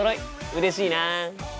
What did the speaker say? うれしいな。